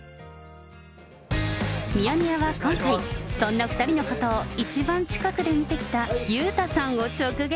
ミヤネ屋は今回、そんな２人のことを一番近くで見てきた裕太さんを直撃。